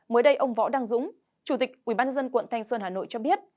mới đây ông võ đăng dũng chủ tịch ubnd quận thanh xuân hà nội cho biết